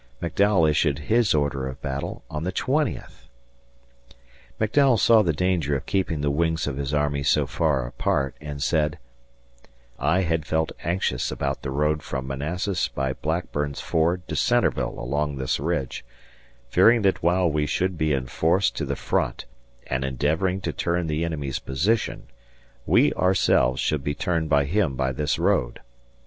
McDowell issued his order of battle on the twentieth. McDowell saw the danger of keeping the wings of his army so far apart and said: I had felt anxious about the road from Manassas by Blackburn's Ford to Centreville along this ridge, fearing that while we should be in force to the front and endeavoring to turn the enemy's position, we ourselves should be turned by him by this road.